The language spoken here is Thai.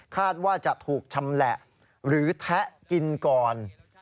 ว่าจะถูกชำแหละหรือแทะกินก่อน